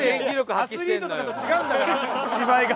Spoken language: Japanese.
アスリートとかと違うんだから芝居が。